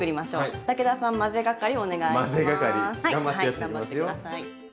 頑張って下さい。